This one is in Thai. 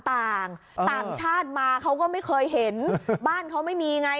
ต่างต่างชาติมาเขาก็ไม่เคยเห็นบ้านเขาไม่มีไง